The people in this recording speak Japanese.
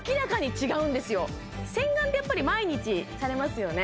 洗顔ってやっぱり毎日されますよね？